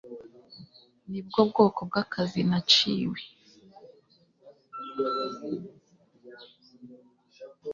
Nibwo bwoko bwakazi naciwe